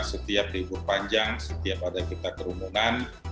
setiap libur panjang setiap ada kita kerumunan